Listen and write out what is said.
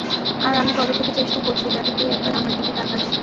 আর আমি কবে থেকে চেষ্টা করছি যাতে তুই একবার আমার দিকে তাকাস।